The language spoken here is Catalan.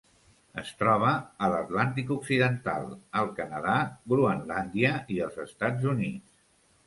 Es troba a l'Atlàntic occidental: el Canadà, Groenlàndia i els Estats Units.